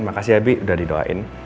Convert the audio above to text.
makasih ya bi udah didoain